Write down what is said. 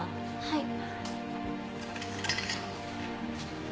はい。